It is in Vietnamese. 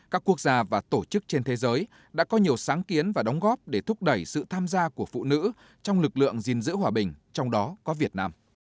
các quốc gia và tổ chức trên thế giới đã có nhiều sáng kiến và đóng góp để thúc đẩy sự tham gia của phụ nữ trong lực lượng gìn giữ hòa bình trong đó có việt nam